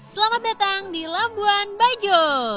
selamat datang di labuan bajo